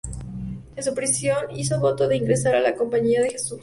En prisión hizo voto de ingresar a la Compañía de Jesús.